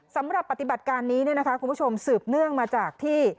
สำหรับปฏิบัติการนี้เนี่ยนะคะคุณผู้ชมสืบเนื่องมาจากที่